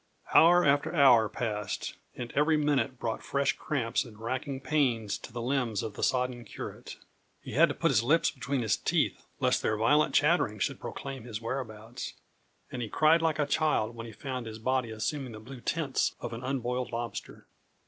Hour after hour passed, and every minute brought fresh cramps and racking pains to the limbs of the sodden curate. He had to put his lips between his teeth, lest their violent chattering should proclaim his whereabouts; and he cried like a child when he found his body assuming the blue tints of an unboiled lobster.